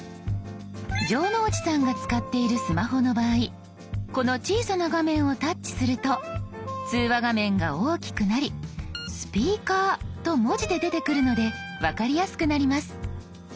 城之内さんが使っているスマホの場合この小さな画面をタッチすると通話画面が大きくなり「スピーカー」と文字で出てくるので分かりやすくなります。